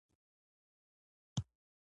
په رود ملازۍ کښي واوره اوري.